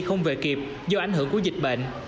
không về kịp do ảnh hưởng của dịch bệnh